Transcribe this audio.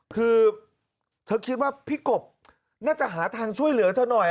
คือเธอคิดว่าพี่กบน่าจะหาทางช่วยเหลือเธอหน่อย